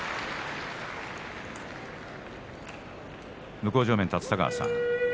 向正面、立田川さん